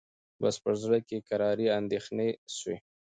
بس په زړه کي یې کراري اندېښنې سوې